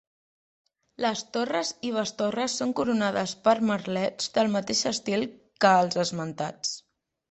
Les torres i bestorres són coronades per merlets del mateix estil que els esmentats.